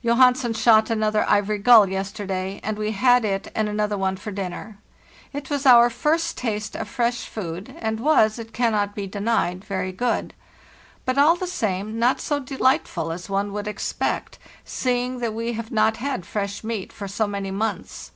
"Johansen shot another ivory gull yesterday, and we had it and another one for dinner. It was our first taste of fresh food, and was, it cannot be denied, very good; but all the same not so delightful as one would expect, seeing that we have not had fresh meat for so many months.